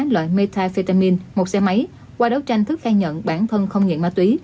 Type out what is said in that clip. loại metafetamin một xe máy qua đấu tranh thức khai nhận bản thân không nghiện ma túy